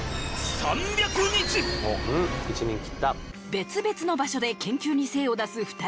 別々の場所で研究に精を出す２人。